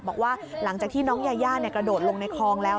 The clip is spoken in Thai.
บอกว่าหลังจากที่น้องยายากระโดดลงในคลองแล้ว